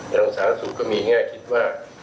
ทางสหรัฐศูนย์ก็มีง่ายคิดว่า